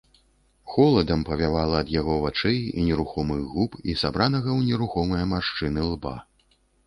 Холадам павявала ад яго вачэй і нерухомых губ і сабранага ў нерухомыя маршчыны лба.